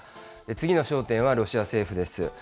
次の焦点はロシア政府です。